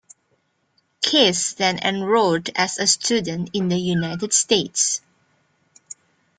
Kiss then enrolled as a student in the United States.